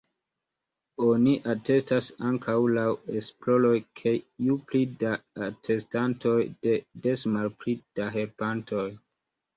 Oni atestas ankaŭ laŭ esploroj, ke ju pli da atestantoj, des malpli da helpantoj.